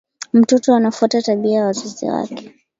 Mtoto anafuata tabia ya wazazi wake